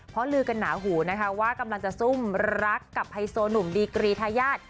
เพราะลือกันหนาหูนะคะว่ากำลังจะซุ่มรักกับไฮโซหนุ่มดีกรีทายาท